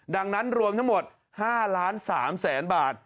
ดังนั้นรวมทั้งหมด๕๓๐๐๐๐บาท